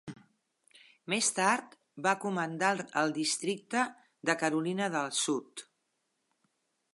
Més tard va comandar el districte de Carolina de Sud.